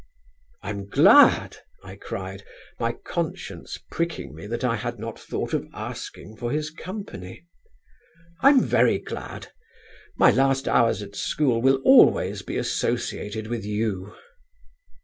"'I'm glad,' I cried, my conscience pricking me that I had not thought of asking for his company. 'I'm very glad. My last hours at school will always be associated with you.'